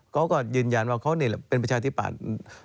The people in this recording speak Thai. เขาก็ยืนยันว่าเขาเป็นประชาชนิษฐ์ประหละ